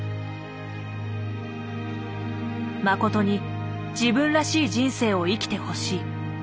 Ｍａｃｏｔｏに自分らしい人生を生きてほしい。